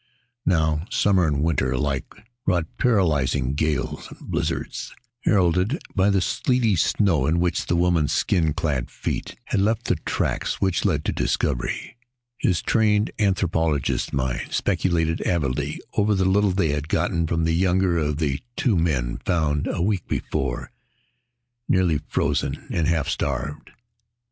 Now, summer and winter alike brought paralyzing gales and blizzards, heralded by the sleety snow in which the woman's skin clad feet had left the tracks which led to discovery. His trained anthropologist's mind speculated avidly over the little they had gotten from the younger of the two men found nearly a week before, nearly frozen and half starved.